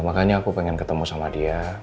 makanya aku pengen ketemu sama dia